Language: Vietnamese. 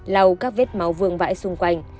lau các vết máu vương vãi xung quanh